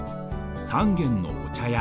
三軒のお茶屋。